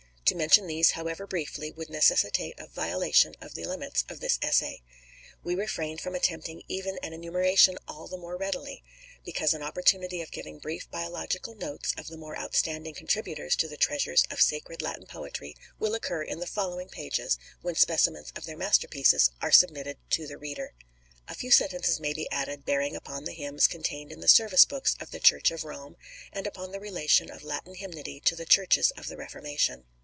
To mention these, however briefly, would necessitate a violation of the limits of this essay. We refrain from attempting even an enumeration all the more readily, because an opportunity of giving brief biographical notices of the more outstanding contributors to the treasures of sacred Latin poetry will occur in the following pages when specimens of their masterpieces are submitted to the reader. A few sentences may be added bearing upon the hymns contained in the service books of the Church of Rome, and upon the relation of Latin hymnody to the Churches of the Reformation.